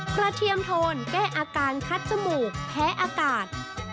เทียมโทนแก้อาการคัดจมูกแพ้อากาศ